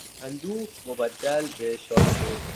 اندوه مبدل به شادی شد.